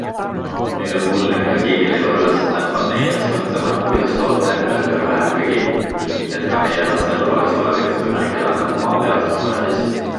Nüüd on mul ja minu tiimil elu ülesanne, panna inimesi mõtlema, kuidas toota enda ümber vähem prügi ning et ka meie lastel oleks tulevikus võimalik elada maapealses paradiisis.